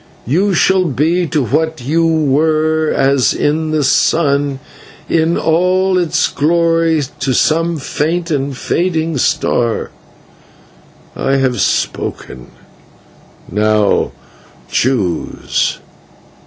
you shall be to what you were as is the sun in all its glory to some faint and fading star. I have spoken now choose."